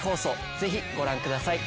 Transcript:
ぜひご覧ください。